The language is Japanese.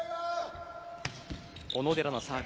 小野寺のサーブ。